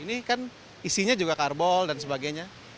ini kan isinya juga karbol dan sebagainya